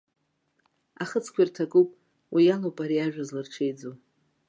Ахыцқәа ирҭакуп, уи алоуп ари ажәа зларҽеиӡоу.